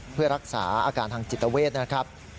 เพื่อรักษาอาการทางจิตเวทนะครับ